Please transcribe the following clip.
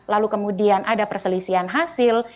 lalu kemudian ada perselisihan hasil